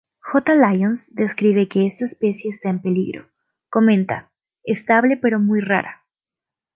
J. Lyons describe que está especie está en peligro, comenta: Estable pero muy rara.